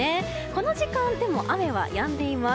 この時間、でも雨はやんでいます。